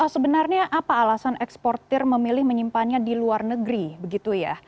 sebenarnya apa alasan eksportir memilih menyimpannya di luar negeri begitu ya